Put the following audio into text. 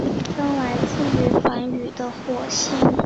名称来自于梵语的火星。